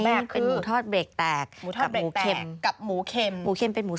มีสองแบบคือ